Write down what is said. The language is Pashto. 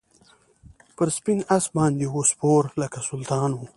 پر سپین آس باندي وو سپور لکه سلطان وو